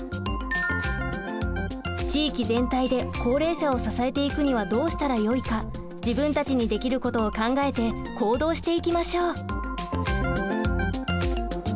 地域全体で高齢者を支えていくにはどうしたらよいか自分たちにできることを考えて行動していきましょう。